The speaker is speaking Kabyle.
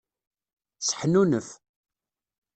Seḥnunef.